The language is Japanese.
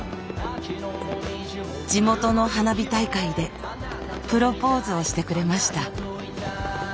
地元の花火大会でプロポーズをしてくれました。